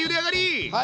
はい。